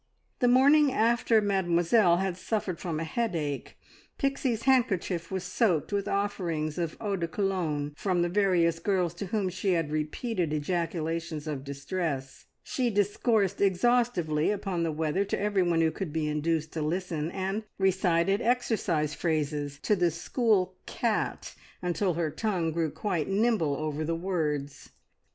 The morning after Mademoiselle had suffered from a headache, Pixie's handkerchief was soaked with offerings of eau de Cologne, from the various girls to whom she had repeated ejaculations of distress; she discoursed exhaustively upon the weather to every one who could be induced to listen, and recited exercise phrases to the school cat until her tongue grew quite nimble over the words.